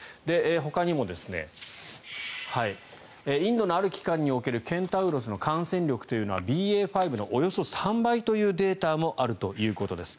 ほかにもインドのある期間におけるケンタウロスの感染力はＢＡ．５のおよそ３倍というデータもあるということです。